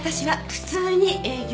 普通に営業？